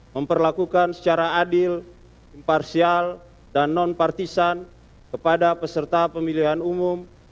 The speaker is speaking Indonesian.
memperlakukan secara adil imparsial dan non partisan kepada peserta pemilihan umum